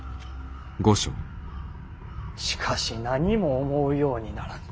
しかし何も思うようにならぬ。